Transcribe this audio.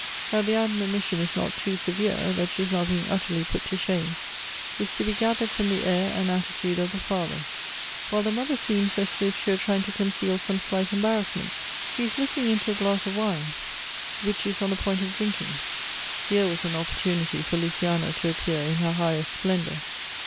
That the admonition is not too severe, that she is not being utterly put to shame, is to be gath ered from the air and attitude of the father, whjle the mother seems as if she were trying to conceal some slight emban assment — she is looking into a glass of wine, which she is on the point of drinking. Here was an opportunity for Luciana to appear in her highest splendor.